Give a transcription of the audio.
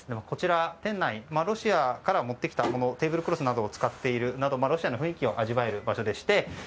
こちら、店内ロシアから持ってきたテーブルクロスを使っているなどロシアの雰囲気を味わえる場所でして。